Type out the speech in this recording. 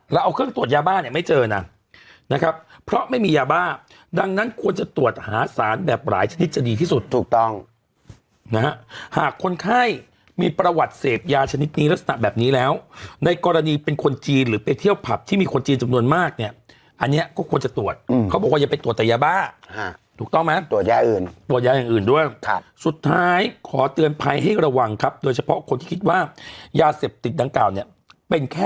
เราเอาเครื่องตรวจยาบ้าเนี่ยไม่เจอนะนะครับเพราะไม่มียาบ้าดังนั้นควรจะตรวจหาสารแบบหลายชนิดจะดีที่สุดถูกต้องนะหากคนไข้มีประวัติเสพยาชนิดนี้ลักษณะแบบนี้แล้วในกรณีเป็นคนจีนหรือไปเที่ยวผับที่มีคนจีนจำนวนมากเนี่ยอันเนี่ยก็ควรจะตรวจเขาบอกว่าอย่าไปตรวจแต่ยาบ้าถูกต้องไหมตรวจยา